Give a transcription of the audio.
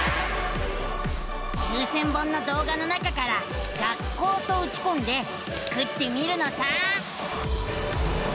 ９，０００本の動画の中から「学校」とうちこんでスクってみるのさ！